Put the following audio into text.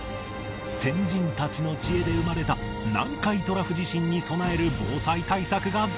先人たちの知恵で生まれた南海トラフ地震に備える防災対策が続々！